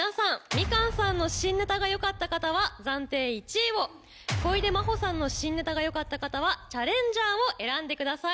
みかんさんの新ネタがよかった方は暫定１位を小出真保さんの新ネタがよかった方はチャレンジャーを選んでください。